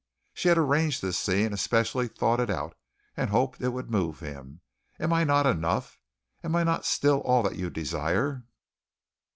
She had arranged this scene, especially thought it out, and hoped it would move him. "Am I not enough? Am I not still all that you desire?"